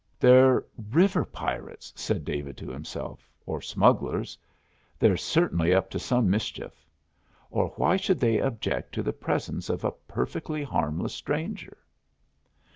"They're river pirates," said David to himself, "or smugglers. They're certainly up to some mischief, or why should they object to the presence of a perfectly harmless stranger?"